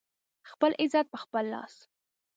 خپل عزت په خپل لاس